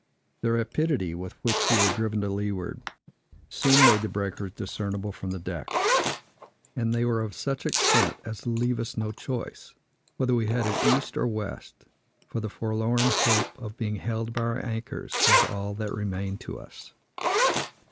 The rapidity with which we were driven to leeward, soon made the breakers discernible from deck; and they were of such extent, as to leave us no choice, whether we headed east or west; for the forlorn hope of being held by our anchors was all that remained to us.